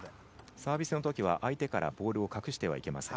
サービスの時は相手からボールを隠してはいけません。